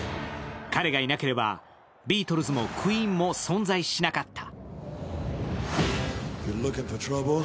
彼がいなければビートルズもクイーンも存在しなかった。